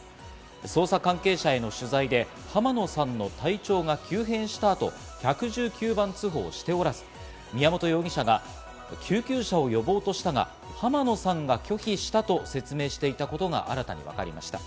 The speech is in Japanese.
捜査関係者への取材で浜野さんの体調が急変した後、１１９番通報をしておらず、宮本容疑者が救急車を呼ぼうとしたが、浜野さんが拒否したと説明していたことが新たに分かりました。